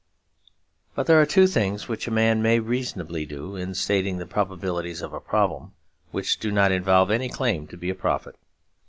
But there are two things which a man may reasonably do, in stating the probabilities of a problem, which do not involve any claim to be a prophet.